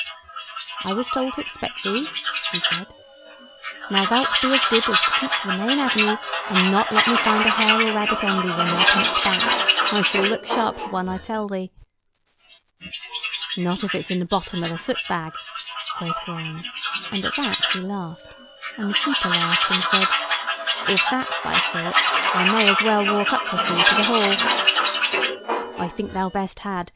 "I was told to expect thee," he said. "Now thou'lt be so good as to keep to the main avenue, and not let me find a hare or a rabbit on thee when thou comest back. I shall look sharp for one, I tell thee." "Not if it's in the bottom of the soot bag," quoth Grimes, and at that he laughed; and the keeper laughed and said: "If that's thy sort, I may as well walk up with thee to the hall." "I think thou best had.